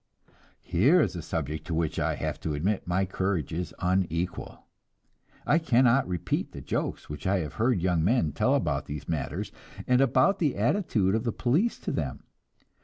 Here is a subject to which I have to admit my courage is unequal. I cannot repeat the jokes which I have heard young men tell about these matters, and about the attitude of the police to them.